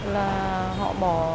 là họ bỏ